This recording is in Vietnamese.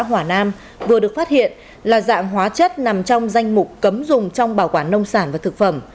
hỏa nam vừa được phát hiện là dạng hóa chất nằm trong danh mục cấm dùng trong bảo quản nông sản và thực phẩm